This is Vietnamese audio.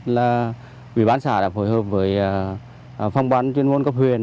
là quỹ bán xã đã phối hợp với phòng bán chuyên môn cấp huyền